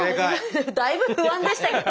だいぶ不安でしたけど。